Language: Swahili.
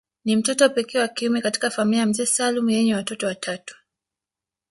Ni mtoto pekee ya kiume katika familia ya mzee Salum yenye watoto watatu